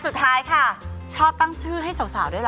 สุดท้ายค่ะชอบตั้งชื่อให้สาวด้วยล่ะ